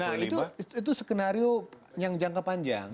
nah itu skenario yang jangka panjang